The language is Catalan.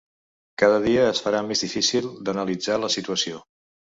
Cada dia es farà més difícil d’analitzar la situació.